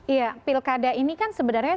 iya pilkada ini kan sebenarnya